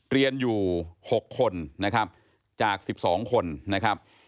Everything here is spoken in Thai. เรียนอยู่๖คนนะครับจาก๑๒คนนะครับ